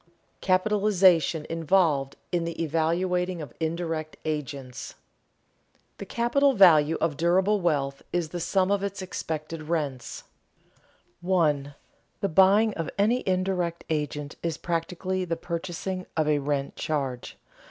CAPITALIZATION INVOLVED IN THE EVALUATING OF INDIRECT AGENTS [Sidenote: The capital value of durable wealth is the sum of its expected rents] 1. _The buying of any indirect agent is practically the purchasing of a "rent charge."